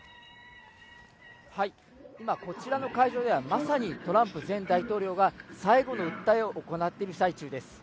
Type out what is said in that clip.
今こちらの会場ではまさにトランプ前大統領が最後の訴えを行っている最中です。